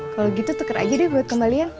kalau gitu tukar aja deh buat kembalian